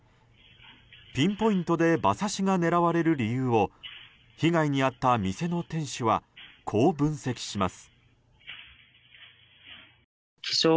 ピンポイントで馬刺しが狙われる理由を被害に遭った店の店主はこう分析します。